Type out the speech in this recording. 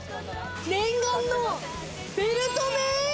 念願のベルト麺！